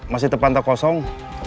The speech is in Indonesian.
masih terpantau kosong